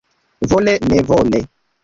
Vole nevole.